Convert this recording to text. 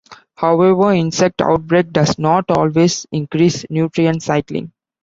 However, insect outbreak does not always increase nutrient cycling.